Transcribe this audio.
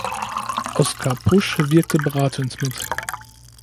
Oskar Pusch wirkte beratend mit.